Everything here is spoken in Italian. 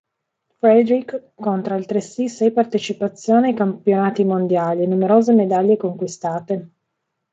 Friedrich conta altresì sei partecipazioni ai campionati mondiali e numerose medaglie conquistate.